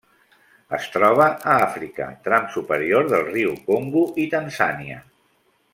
Es troba a Àfrica: tram superior del riu Congo i Tanzània.